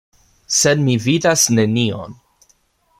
Sed mi vidas nenion.